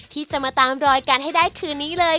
ที่จะมาตามรอยกันให้ได้คืนนี้เลย